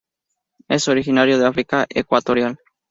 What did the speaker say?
Es originario de África ecuatorial.